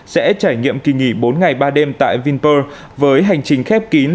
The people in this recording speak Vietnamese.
sẽ trải nghiệm kỳ nghỉ bốn ngày ba đêm tại vinpearl với hành trình khép kín